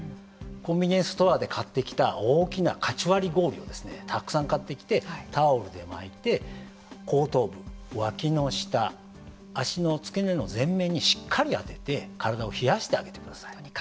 コンビニエンスストアで買ってきた大きなかち割り氷をたくさん買ってきてタオルで巻いて後頭部、わきの下足の付け根の全面にしっかり当ててとにかく冷やす。